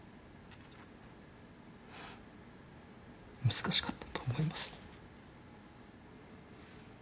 難しかったと思います。